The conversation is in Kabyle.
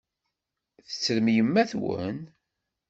Tettrem yemma-twen?